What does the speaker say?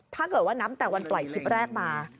ถ้าเกิดว่านับแต่วันปล่อยคลิปแรกมา